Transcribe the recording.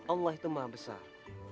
allah itu maha besar